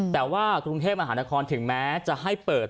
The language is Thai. แต่ว่ากรุงเทพมหานครถึงแม้จะให้เปิด